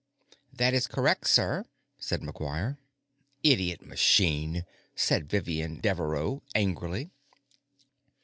"That is correct, sir," said McGuire. "Idiot machine!" said Vivian Deveraux angrily.